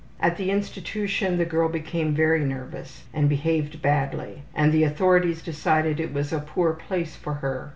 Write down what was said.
At the institution the girl became very nervous and behaved badly and the authorities decided it was a poor place for her.